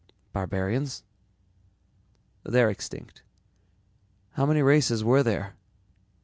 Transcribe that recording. "Barbarians?" "They're extinct." "How many races were there?"